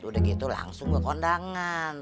udah gitu langsung buat kondangan